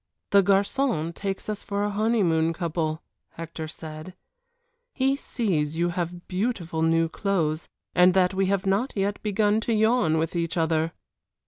"The garçon takes us for a honeymoon couple," Hector said; "he sees you have beautiful new clothes, and that we have not yet begun to yawn with each other."